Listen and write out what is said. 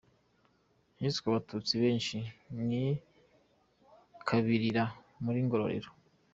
Hishwe Abatutsi benshi i Kibilira muri Ngororero.